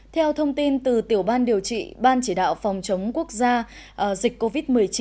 theo thông tin từ tiểu ban điều trị ban chỉ đạo phòng chống quốc gia dịch covid một mươi chín